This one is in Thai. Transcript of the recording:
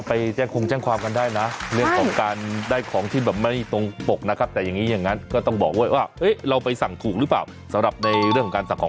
สั่งออนไลน์เนี่ยก็ไปแจ้งความกันได้นะ